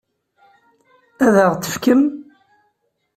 Ad ɣ-t-tefkem?